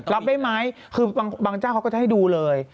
รับได้ไหมคือบางเจ้าเขาก็จะให้ดูเลย